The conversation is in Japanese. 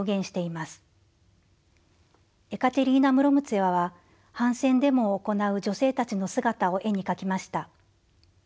エカテリーナ・ムロムツェワは反戦デモを行う女性たちの姿を絵に描きました。